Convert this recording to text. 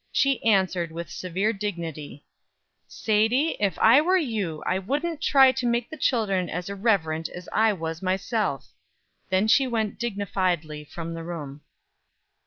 She answered, with severe dignity: "Sadie, if I were you, I wouldn't try to make the children as irreverent as I was myself." Then she went dignifiedly from the room.